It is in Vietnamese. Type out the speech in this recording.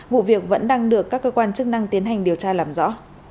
vụ việc vẫn đang được các cơ quan chức năng tiến hành điều tra làm rõ